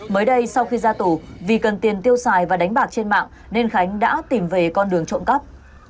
mới đây sau khi ra tù vì cần tiền tiêu xài và đánh bạc trên mạng nên khánh đã tìm về con đường trộm cắp